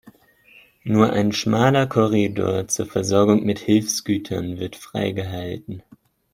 Nur ein schmaler Korridor zur Versorgung mit Hilfsgütern wird freigehalten.